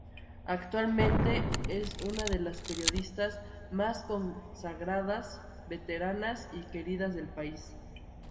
Actualmente es una de las periodistas más consagradas veteranas y queridas del país.